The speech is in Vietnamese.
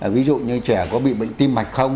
ví dụ như trẻ có bị bệnh tim mạch không